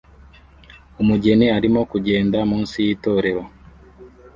Umugeni arimo kugenda munsi y'itorero